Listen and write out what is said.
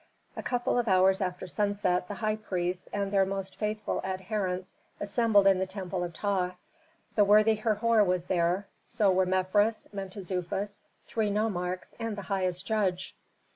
A couple of hours after sunset the high priests and their most faithful adherents assembled in the temple of Ptah. The worthy Herhor was there; so were Mefres, Mentezufis, three nomarchs, and the highest judge.